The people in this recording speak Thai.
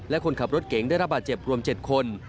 และคนขับรถเก๋งได้รับบาดเจ็บรวม๗คน